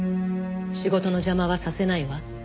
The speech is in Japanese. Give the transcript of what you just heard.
仕事の邪魔はさせないわ。